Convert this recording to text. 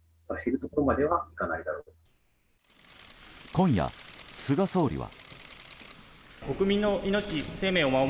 今夜、菅総理は。